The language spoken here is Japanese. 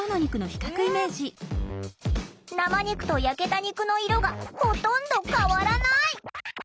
生肉と焼けた肉の色がほとんど変わらない！